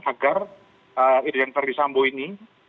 agar irjen verdi sambo ini